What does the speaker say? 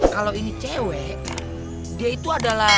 kalau ini cewek dia itu adalah